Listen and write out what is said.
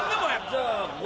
じゃあ。